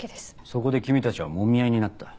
そこで君たちはもみ合いになった。